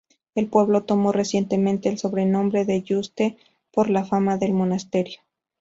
El pueblo tomó recientemente el sobrenombre de Yuste por la fama del monasterio.